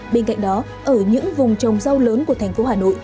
bên cạnh đó ở những vùng trồng rau lớn của thành phố hà nội